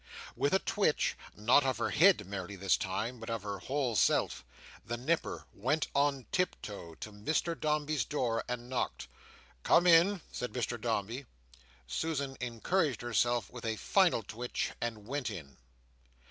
With a twitch—not of her head merely, this time, but of her whole self—the Nipper went on tiptoe to Mr Dombey's door, and knocked. "Come in!" said Mr Dombey. Susan encouraged herself with a final twitch, and went in.